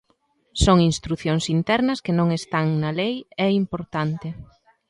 Son instrucións internas que non están na lei, é importante.